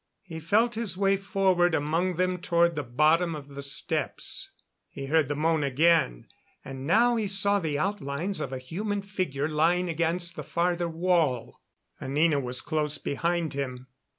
He felt his way forward among them toward the bottom of the steps. He heard the moan again, and now he saw the outlines of a human figure lying against the farther wall. Anina was close behind him.